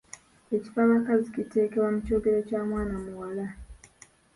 Ekifabakazi kiteekebwa mu kyogero kya mwana muwala.